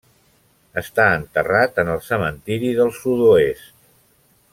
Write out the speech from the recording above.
Està enterrat en el Cementiri del Sud-oest.